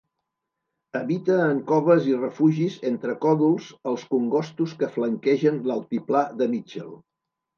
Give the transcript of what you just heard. Habita en coves i refugis entre còdols als congostos que flanquegen l'altiplà de Mitchell.